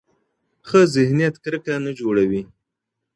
ښه ذهنیت کرکه نه جوړوي.